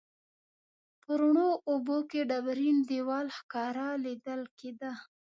په روڼو اوبو کې ډبرین دیوال ښکاره لیدل کیده.